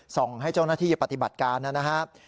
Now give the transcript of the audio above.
ส่งให้เจ้าหน้าที่ปฏิบัติการนะครับ